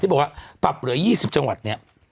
บอกว่าปรับเหลือ๒๐จังหวัดเนี่ย